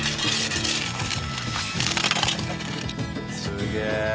すげえ。